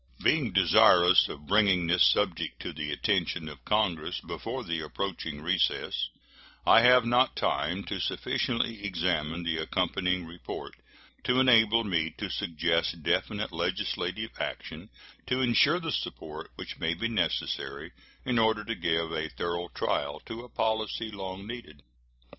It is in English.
Being desirous of bringing this subject to the attention of Congress before the approaching recess, I have not time to sufficiently examine the accompanying report to enable me to suggest definite legislative action to insure the support which may be necessary in order to give a thorough trial to a policy long needed.